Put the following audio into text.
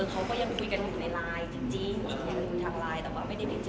เขาก็ยังคุยกันอยู่ในไลน์จริงยังคุยทางไลน์แต่ว่าไม่ได้ไปเจอ